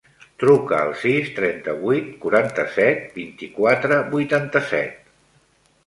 Truca al sis, trenta-vuit, quaranta-set, vint-i-quatre, vuitanta-set.